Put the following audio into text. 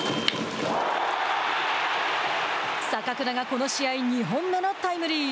坂倉がこの試合２本目のタイムリー。